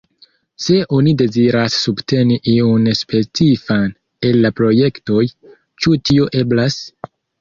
Se oni deziras subteni iun specifan el la projektoj, ĉu tio eblas?